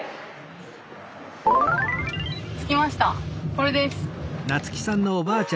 これです。